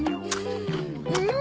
うん！